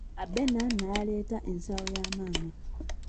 Abena n'aleeta ensawo ya maama.